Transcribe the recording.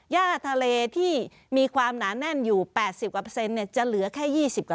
ย่าทะเลที่มีความหนาแน่นอยู่๘๐กว่าจะเหลือแค่๒๐